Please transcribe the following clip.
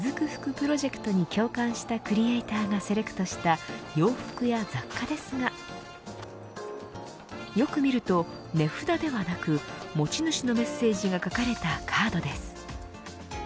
プロジェクトに共感したクリエイターがセレクトした洋服や雑貨ですがよく見ると、値札ではなく持ち主のメッセージが書かれたカードです。